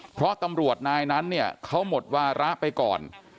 เพราะตำรวจนายนั้นเนี่ยเขาหมดวาระไปก่อน